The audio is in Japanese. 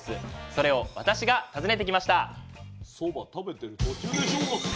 それを私が訪ねてきました。